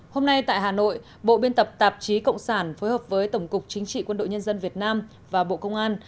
hôm nay tại hà nội bộ biên tập tạp chí cộng sản phối hợp với tổng cục chính trị quân đội nhân dân việt nam và bộ công an